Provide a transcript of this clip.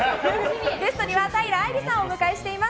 ゲストには平愛梨さんをお迎えしています。